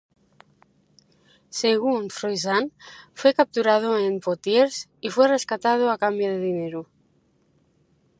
Según Froissart fue capturado en Poitiers y fue rescatado a cambio de dinero.